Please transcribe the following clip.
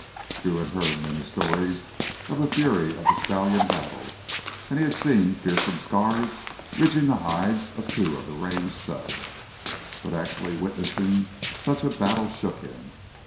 Drew had heard many stories of the fury of the stallion battle, and he had seen fearsome scars ridging the hides of two of the Range studs. But actually witnessing such a battle shook him.